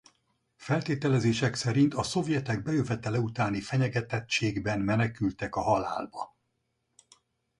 Feltételezések szerint a szovjetek bejövetele utáni fenyegetettségben menekültek a halálba.